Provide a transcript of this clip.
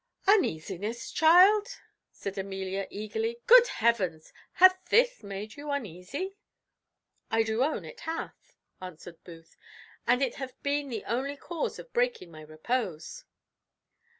"Uneasiness, child!" said Amelia eagerly; "Good Heavens! hath this made you uneasy?" "I do own it hath," answered Booth, "and it hath been the only cause of breaking my repose."